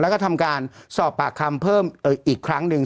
แล้วก็ทำการสอบปากคำเพิ่มอีกครั้งหนึ่ง